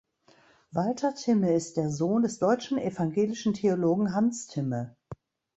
Walter Thimme ist der Sohn des deutschen evangelischen Theologen Hans Thimme.